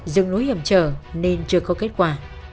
dưng núi hiểm trở nên chưa có kết quả